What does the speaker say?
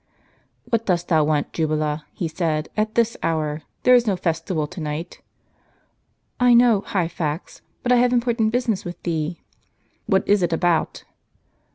"What dost thou want, Jubala," he said, "at this hour? There is no festival to night." "I know, Hyphax; but I have important business with thee." "What is it about?"